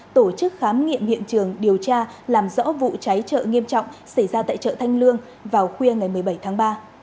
tổ chức khám nghiệm hiện trường điều tra làm rõ vụ cháy chợ nghiêm trọng xảy ra tại chợ thanh lương vào khuya ngày một mươi bảy tháng ba